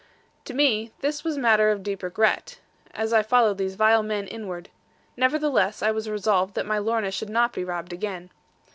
To me this was matter of deep regret, as I followed these vile men inward. Nevertheless I was resolved that my Lorna should not be robbed again.